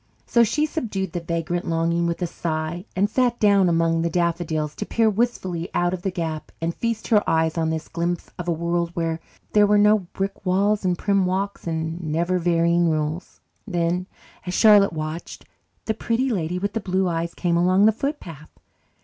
So she subdued the vagrant longing with a sigh and sat down among the daffodils to peer wistfully out of the gap and feast her eyes on this glimpse of a world where there were no brick walls and prim walks and never varying rules. Then, as Charlotte watched, the Pretty Lady with the Blue Eyes came along the footpath.